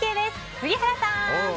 杉原さん！